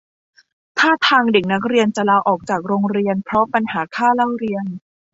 ท่าทางเด็กนักเรียนจะลาออกจากโรงเรียนเพราะปัญหาค่าเล่าเรียน